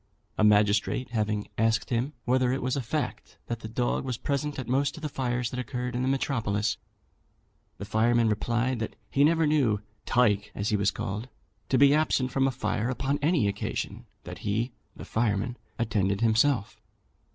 A magistrate having asked him whether it was a fact that the dog was present at most of the fires that occurred in the metropolis, the fireman replied that he never knew "Tyke," as he was called, to be absent from a fire upon any occasion that he (the fireman) attended himself.